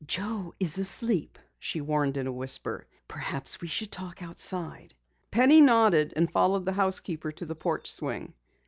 "Joe is asleep," she warned in a whisper. "Perhaps we should talk outside." Penny nodded and followed the housekeeper to the porch swing.